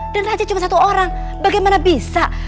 dan raja cuma satu orang bagaimana bisa